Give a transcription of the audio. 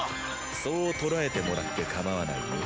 そう捉えてもらってかまわないよ。